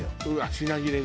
品切れで？